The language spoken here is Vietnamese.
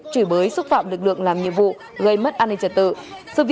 chửi bới xúc phạm lực lượng làm nhiệm vụ gây mất an ninh trật tự